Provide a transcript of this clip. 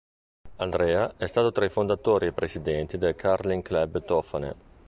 Andrea è stato tra i fondatori e presidenti del Curling Club Tofane.